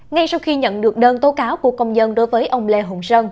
ngay sau khi nhận được đơn tố cáo của công dân đối với ông lê hùng sơn